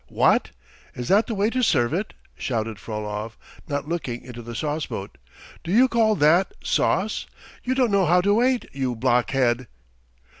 ..." "What! is that the way to serve it?" shouted Frolov, not looking into the sauceboat. "Do you call that sauce? You don't know how to wait, you blockhead!"